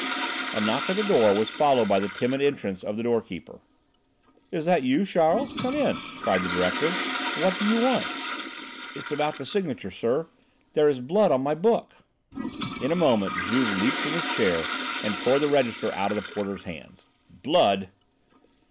A knock at the door was followed by the timid entrance of the doorkeeper. "Is that you, Charles? Come in," cried the director. "What do you want?" "It's about the signature, sir. There is blood on my book." In a moment Juve leaped from his chair and tore the register out of the porter's hands. "Blood!"